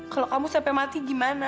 kalau kamu sampai mati gimana